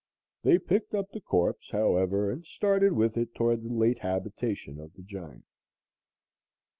They picked up the corpse, however, and started with it toward the late habitation of the giant.